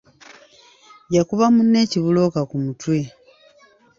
Yakuba munne ekibulooka ku mutwe.